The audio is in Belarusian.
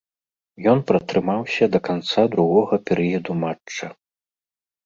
Ён пратрымаўся да канца другога перыяду матча.